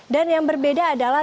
dan yang berbeda adalah